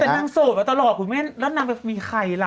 แต่นางโสดมาตลอดคุณแม่แล้วนางไปมีใครล่ะ